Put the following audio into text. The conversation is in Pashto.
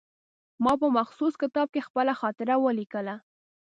ما په مخصوص کتاب کې خپله خاطره ولیکله.